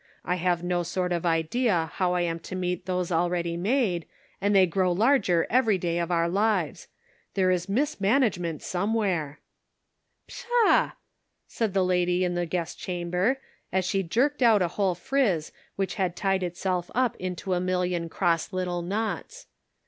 I have no sort of idea how I am to meet those already made, and they grow larger every day of our lives. There is mismanagement some where." " Pshaw !" said the lady in the guest cham ber, as she jerked out a whole friz which had tied itself up into a million cross little knots.